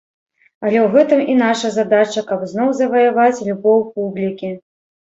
Але ў гэтым і наша задача, каб зноў заваяваць любоў публікі.